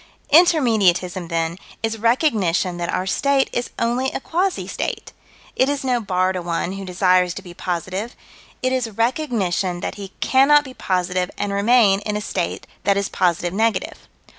Intermediatism, then, is recognition that our state is only a quasi state: it is no bar to one who desires to be positive: it is recognition that he cannot be positive and remain in a state that is positive negative.